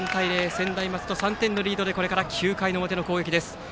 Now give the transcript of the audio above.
専大松戸、３点のリードでこれから９回の表の攻撃です。